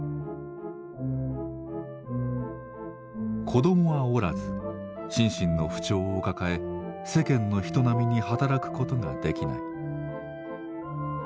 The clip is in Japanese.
子供はおらず心身の不調を抱え世間の人並みに働くことができない。